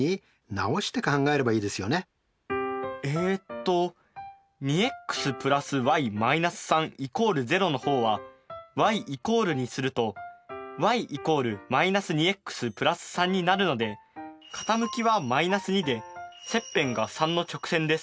えっと２ｘ＋ｙ−３＝０の方はｙ＝にすると傾きは−２で切片が３の直線です。